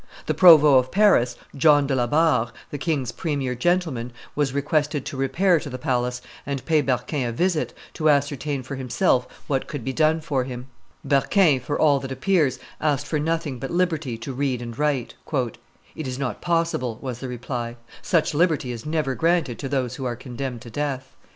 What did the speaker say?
The provost of Paris, John de la Barre, the king's premier gentleman, was requested to repair to the palace and pay Berquin a visit, to ascertain from himself what could be done for him. Berquin, for all that appears, asked for nothing but liberty to read and write. "It is not possible," was the reply; "such liberty is never granted to those who are condemned to death."